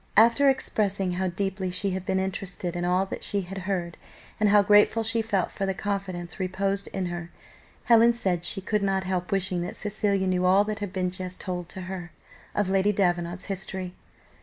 After expressing how deeply she had been interested in all that she had heard, and how grateful she felt for the confidence reposed in her, Helen said she could not help wishing that Cecilia knew all that had been just told her of Lady Davenant's history.